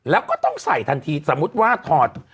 แล้วก็ต้องใส่ทันทีสมมุติว่าถอด